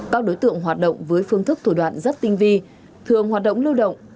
các đối tượng hoạt động với phương thức thủ đoạn rất tinh vi thường hoạt động lưu động